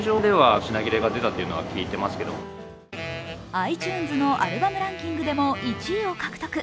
ｉＴｕｎｅｓのアルバムランキングでも１位を獲得。